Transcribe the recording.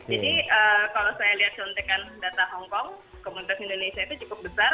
jadi kalau saya lihat contekan data hongkong komunitas indonesia itu cukup besar